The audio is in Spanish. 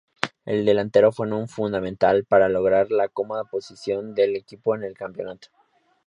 El delantero fue fundamental para lograr la cómoda posición del equipo en el campeonato.